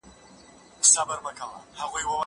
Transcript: کېدای سي ونه وچه سي!!